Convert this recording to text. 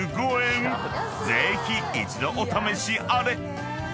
［ぜひ一度お試しあれ］